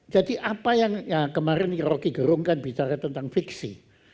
jadi apa yang ya kemarin rocky gerung kan bicara tentang fiksi